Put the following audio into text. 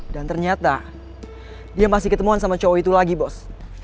dan ternyata dia masih ketemuan sama cowok itu lagi bos